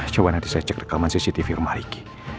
coba nanti saya cek rekaman cctv rumah riki